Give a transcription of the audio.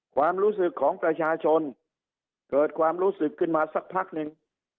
ความรู้สึกของประชาชนเกิดความรู้สึกขึ้นมาสักพักหนึ่ง